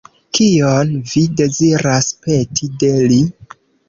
Kion vi deziras peti de li?